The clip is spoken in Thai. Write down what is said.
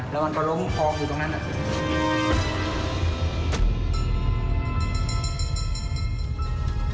แล้วมันก็ล้มพร้อมอยู่ตรงนั้นนะครับ